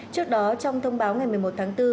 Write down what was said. trước đó trong thông báo ngày một mươi một tháng bốn